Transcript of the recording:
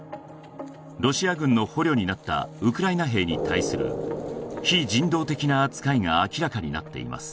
ロシア軍の捕虜になったウクライナ兵に対する非人道的な扱いが明らかになっています